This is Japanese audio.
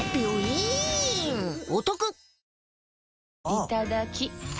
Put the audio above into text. いただきっ！